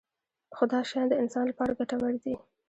خو دا شیان د انسان لپاره ګټور دي.